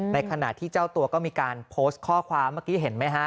ในขณะที่เจ้าตัวก็มีการโพสต์ข้อความเมื่อกี้เห็นไหมฮะ